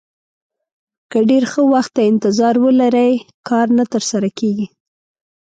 که ډېر ښه وخت ته انتظار ولرئ کار نه ترسره کېږي.